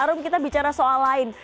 harum kita bicara soal lain